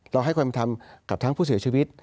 เราให้ความเป็นธรรมกับทางผู้เสียชีวิต